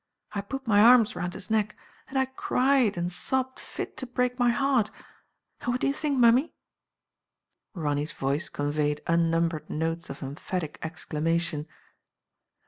I put my arms round his neck, and I cried and sobbed fit to break my heart ; and what do you think, mum my? [Ronny's voice conveyed unnumbered notes of emphatic exclamation.